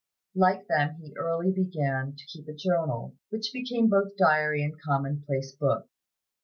Like them he early began to keep a journal, which became both diary and commonplace book.